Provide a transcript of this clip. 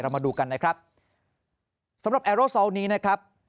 มาดูกันนะครับสำหรับแอโรซอลนี้นะครับ